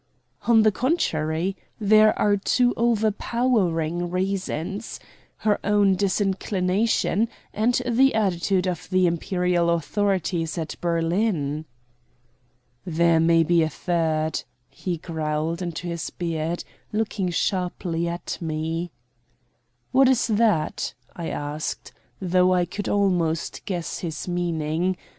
"On the contrary, there are two overpowering reasons her own disinclination, and the attitude of the Imperial authorities at Berlin." "There may be a third," he growled into his beard, looking sharply at me. "What is that?" I asked, though I could almost guess his meaning.